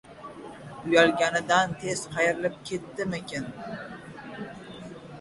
Uyalganidan tez qayrilib ketdimikin?